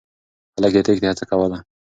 هلک د تېښتې هڅه کوله.